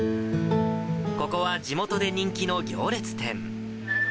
ここは、地元で人気の行列店。